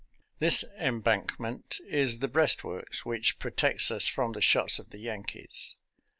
This embankment is the breastworks which protects us from the shots of the Yankees.